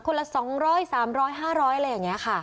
ละ๒๐๐๓๐๐๕๐๐อะไรอย่างนี้ค่ะ